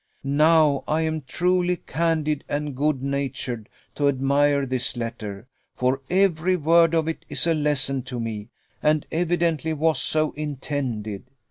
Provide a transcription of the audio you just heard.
Now, I am truly candid and good natured to admire this letter; for every word of it is a lesson to me, and evidently was so intended.